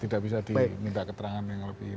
tidak bisa diminta keterangan yang lebih